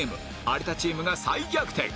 有田チームが再逆転